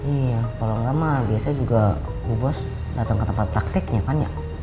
iya kalau nggak mah biasanya juga bu bos datang ke tempat praktiknya kan ya